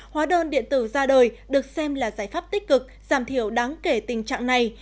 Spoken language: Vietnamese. hóa đơn điện tử ra đời được xem là giải pháp tích cực giảm thiểu đáng kể tình trạng này